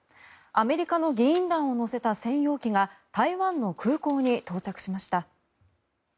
アメリカの議員団を乗せた専用機が台湾の空港に到着しました。